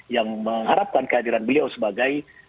yang mengharapkan kehadiran beliau sebagai